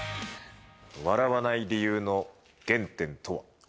笑わない理由の原点とは。